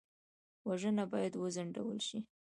وژنه باید وځنډول شي